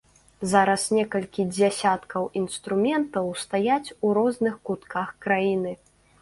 Зараз некалькі дзясяткаў інструментаў стаяць у розных кутках краіны.